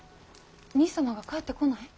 兄さまが帰ってこない？